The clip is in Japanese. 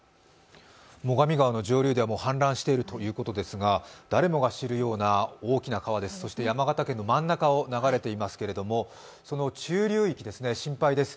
最上川の上流では、もう氾濫しているということですが、誰もが知るような大きな川です、そして山形県の真ん中を流れていますけれどもその中流域、心配です。